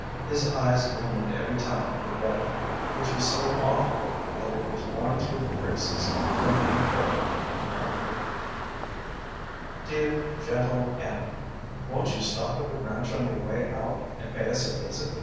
His eyes gleamed every time he read it, which was so often that it was worn through the creases from being folded and unfolded: Dear "Gentle Annie": Won't you stop at the ranch on your way out and pay us a visit?